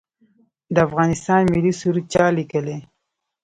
د افغانستان ملي سرود چا لیکلی؟